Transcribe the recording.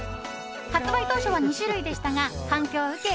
発売当初は２種類でしたが反響を受け